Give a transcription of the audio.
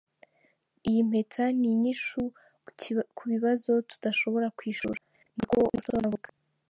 Iyi mpeta ni inyishu ku bibazo tudashobora kwishura," ni ko Wilson avuga.